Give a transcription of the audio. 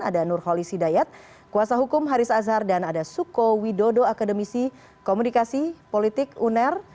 ada nurholis hidayat kuasa hukum haris azhar dan ada suko widodo akademisi komunikasi politik uner